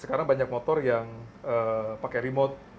sekarang banyak motor yang pake remote